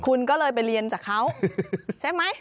คุณก็เลยไปเรียนจากเขาใช่ไหม